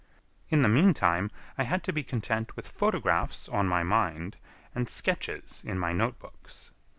In the mean time I had to be content with photographs on my mind and sketches in my note books.